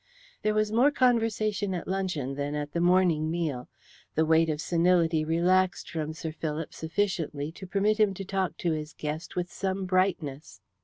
There was more conversation at luncheon than at the morning meal. The weight of senility relaxed from Sir Philip sufficiently to permit him to talk to his guest with some brightness.